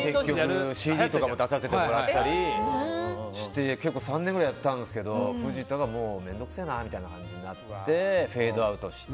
ＣＤとかも出させてもらって結構３年ぐらいやったんですけど藤田がもう面倒くせえなみたいな感じになってフェードアウトして。